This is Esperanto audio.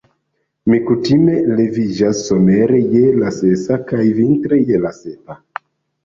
Mi kutime leviĝas somere je la sesa kaj vintre je la sepa.